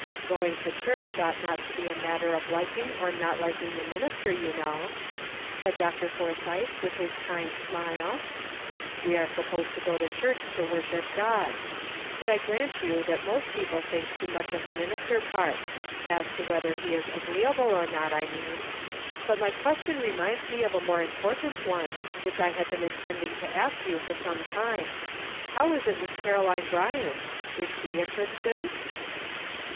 '' Going to church ought not to be a matter of liking or not liking the minister, you know," said Dr. Forsythe, with his kind smile. ''We are supposed to go to church to worship God ; GREAT QUESTIONS SETTLED. 291 but I grant you that most people think too much of the minister part — as to whether he is agreeable or not, T mean. But my question reminds me of a more important one which I have been intending to ask for some time, How is it with Caroline Bryant, is she a Christian?